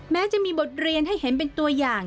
แม้จะมีบทเรียนให้เห็นเป็นตัวอย่าง